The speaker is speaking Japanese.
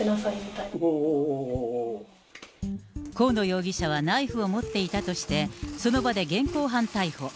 おう、河野容疑者はナイフを持っていたとして、その場で現行犯逮捕。